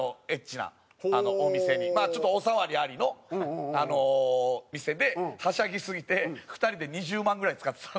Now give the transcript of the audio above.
まあちょっとお触りありの店ではしゃぎすぎて２人で２０万ぐらい使ってたんですよ。